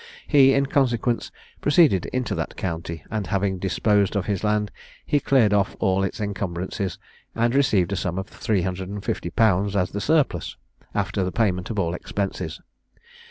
He, in consequence, proceeded into that county, and having disposed of his land, he cleared off all its encumbrances, and received a sum of 350_l._ as the surplus, after the payment of all expenses.